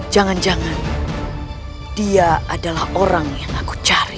jangan jangan dia adalah orang yang aku cari